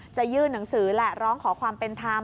จะยื่นหนังสือแหละร้องขอความเป็นธรรม